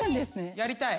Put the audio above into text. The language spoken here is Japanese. やりたい？